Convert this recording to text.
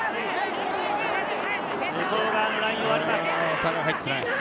向こう側のラインを割ります。